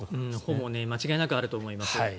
ほぼ間違いなくあると思います。